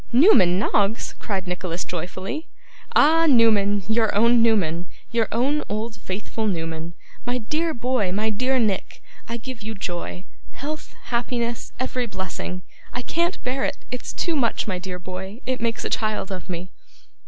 'Newman Noggs!' cried Nicholas joyfully 'Ah! Newman, your own Newman, your own old faithful Newman! My dear boy, my dear Nick, I give you joy health, happiness, every blessing! I can't bear it it's too much, my dear boy it makes a child of me!